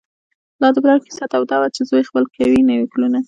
لا د پلار کیسه توده وي چي زوی خپل کوي نکلونه